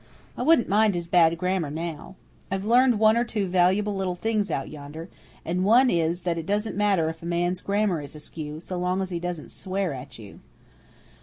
I wouldn't mind his bad grammar now. I've learned one or two valuable little things out yonder, and one is that it doesn't matter if a man's grammar is askew, so long as he doesn't swear at you.